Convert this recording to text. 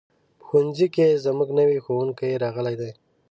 په ښوونځي کې زموږ نوی ښوونکی راغلی دی.